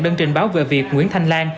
đơn trình báo về việc nguyễn thanh lan